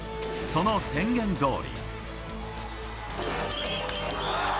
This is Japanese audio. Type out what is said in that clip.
その宣言どおり。